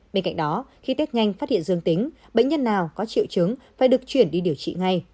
bên cạnh đó khi tết nhanh phát hiện dương tính bệnh nhân nào có triệu chứng phải được chuyển đi điều trị ngay